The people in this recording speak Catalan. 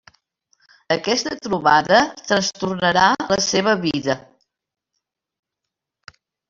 Aquesta trobada trastornarà la seva vida.